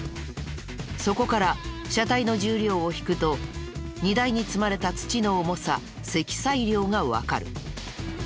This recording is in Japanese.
そこから車体の重量を引くと荷台に積まれた土の重さ積載量がわかる。